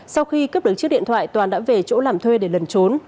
sau khi cướp được chiếc điện thoại toàn đã về chỗ làm thuê để lần trốn